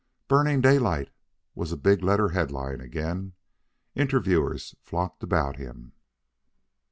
BURNING DAYLIGHT was a big letter headline again. Interviewers flocked about him.